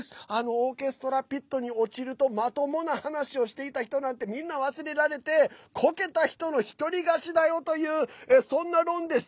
オーケストラピットに落ちるとまともな話しをしてた人なんてみんな忘れられてこけた人の一人勝ちだよ！というそんな論です。